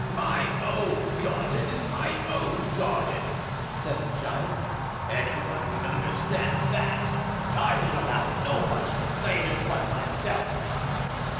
"My own garden is my own garden," said the Giant; "any one can understand that, and I will allow nobody to play in it but myself."